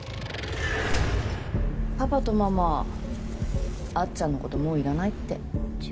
パパとママあっちゃんのこともういらないって。